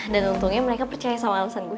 dan untungnya mereka percaya sama alasan gue